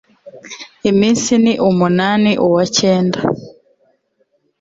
iminsi ni umunani uwa cyenda